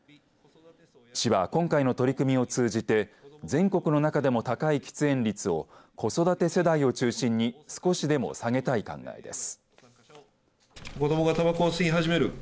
市は今回の取り組みを通じて全国の中でも高い喫煙率を子育て世代を中心に少しでも下げたい考えです。